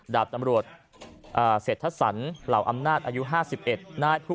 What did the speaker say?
ดาบตำรวจเศรษฐสันเหล่าอำนาจอายุ๕๑